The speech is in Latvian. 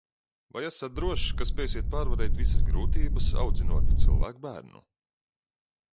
Vai esat drošs, ka spēsiet pārvarēt visas grūtības, audzinot cilvēkbērnu?